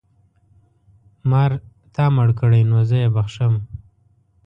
مار تا مړ کړی نو زه یې بښم.